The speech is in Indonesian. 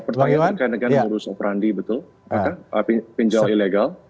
pertanyaan terkait negara negara urus operandi betul pinjol ilegal